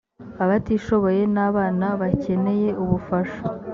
abatishoboye n abana bakeneye ubufasha